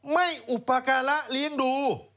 ไม่อุปการะเลี้ยงดู